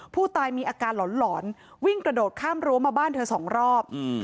ผู้ตายมีอาการหลอนวิ่งกระโดดข้ามรั้วมาบ้านเธอสองรอบ